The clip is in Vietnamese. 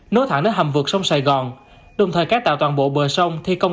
nối thẳng đến hầm vượt sông sài gòn đồng thời cải tạo toàn bộ bờ sông